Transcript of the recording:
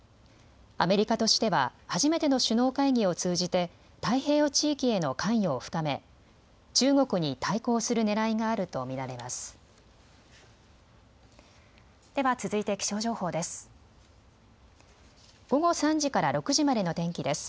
アメリカとしては初めての首脳会議を通じて太平洋地域への関与を深め中国に対抗するねらいがあると見られます。